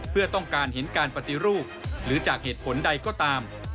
เพื่อต้องการเห็นการปฏิรูปหรือจากเหตุผลใดก็ตาม